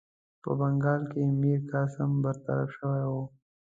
په بنګال کې میرقاسم برطرف شوی وو.